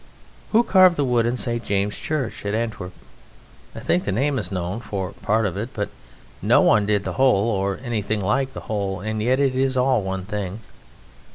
Who carved the wood in St. James's Church at Antwerp? I think the name is known for part of it, but no one did the whole or anything like the whole, and yet it is all one thing.